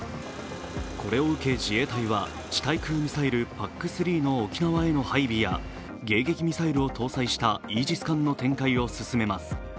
これを受け、自衛隊は地対空ミサイルＰＡＣ３の沖縄への配備や迎撃ミサイルと搭載したイージス艦の展開を進めます。